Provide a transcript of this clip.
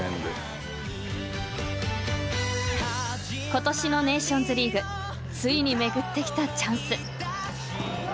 ［今年のネーションズリーグついに巡ってきたチャンス］